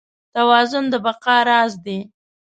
توازن د بقا راز دی.